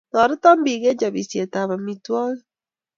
Toreto tipik eng chopisietap amitwigik